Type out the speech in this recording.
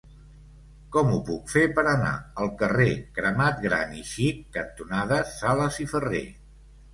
Com ho puc fer per anar al carrer Cremat Gran i Xic cantonada Sales i Ferré?